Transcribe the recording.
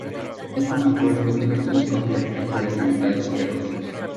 Esto marcó el fin de los telescopios reflectores de metal de espejos.